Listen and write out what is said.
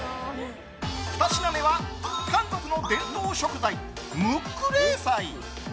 ２品目は韓国の伝統食材ムック冷菜。